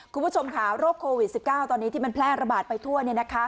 คุณผู้ชมค่ะโรคโควิด๑๙ตอนนี้ที่มันแพร่ระบาดไปทั่ว